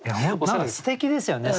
何かすてきですよね。